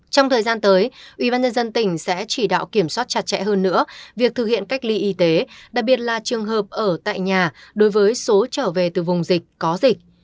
trong thời gian tới ubnd tỉnh sẽ chỉ đạo kiểm soát chặt chẽ hơn nữa việc thực hiện cách ly y tế đặc biệt là trường hợp ở tại nhà đối với số trở về từ vùng dịch có dịch